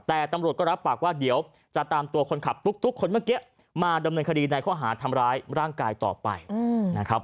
แต่ตำรวจก็รับปากว่าเดี๋ยวจะตามตัวคนขับตุ๊กคนเมื่อกี้มาดำเนินคดีในข้อหาทำร้ายร่างกายต่อไปนะครับ